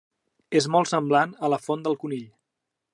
És molt semblant a la font del Conill.